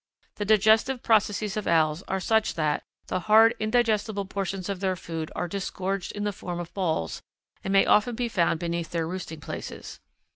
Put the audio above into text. The digestive processes of Owls are such that the hard, indigestible portions of their food are disgorged in the form of balls and may often be found beneath their roosting places.